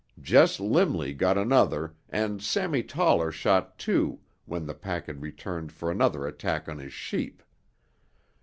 Jess Limley got another and Sammy Toller shot two when the pack had returned for another attack on his sheep.